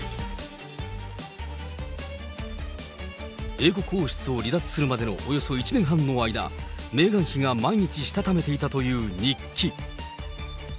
英国王室を離脱するまでのおよそ１年半の間、メーガン妃が毎日したためていたという日記。